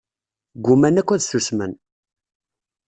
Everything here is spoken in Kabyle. Gguman akk ad ssusmen.